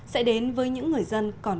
sẽ đến với những người dân còn